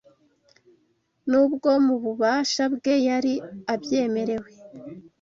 nubwo mu bubasha bwe yari abyemerewe